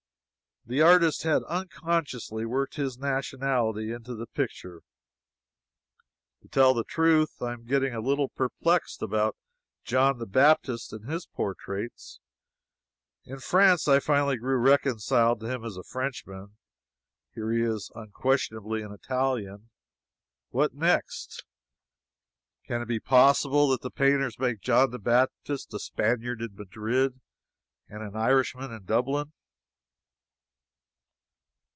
The artist had unconsciously worked his nationality into the picture. To tell the truth, I am getting a little perplexed about John the Baptist and his portraits. In France I finally grew reconciled to him as a Frenchman; here he is unquestionably an Italian. What next? Can it be possible that the painters make John the Baptist a Spaniard in Madrid and an Irishman in Dublin?